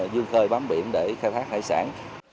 dương khơi bám biển để khai thác hải sản